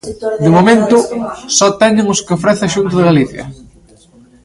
De momento, só teñen os que ofrece a Xunta de Galicia.